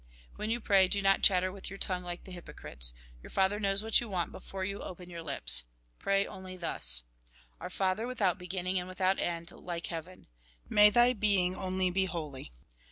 When you pray, do not chatter with your tongue like the hypocrites. Your Father knows what you want liefore you open your lips. Pray only thus : Oar Father, without heginniiig and without end, like heaven ! May Thy teing only he holy.